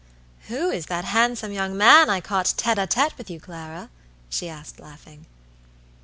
"Who is that handsome young man I caught tête a tête with you, Clara?" she asked, laughing.